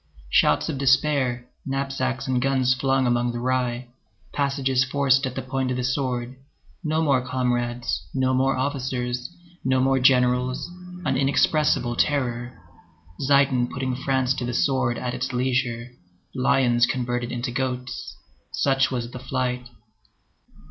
Shouts despair, knapsacks and guns flung among the rye, passages forced at the point of the sword, no more comrades, no more officers, no more generals, an inexpressible terror. Zieten putting France to the sword at its leisure. Lions converted into goats. Such was the flight.